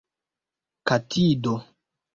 katido